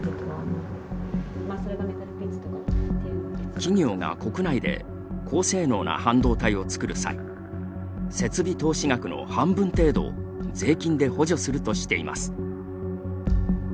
企業が国内で高性能な半導体を作る際設備投資額の半分程度を税金で補助するとしています。